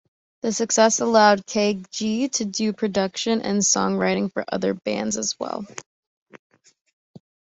The success allowed K-Gee to do production and songwriting for other bands as well.